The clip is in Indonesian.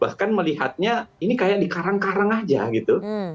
bahkan melihatnya ini kayak di karang karang aja gitu